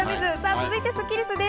続いてはスッキりす。